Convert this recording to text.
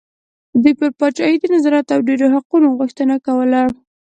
دوی پر پاچاهۍ د نظارت او ډېرو حقوقو غوښتنه کوله.